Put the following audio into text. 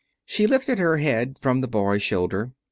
She lifted her head from the boy's shoulder.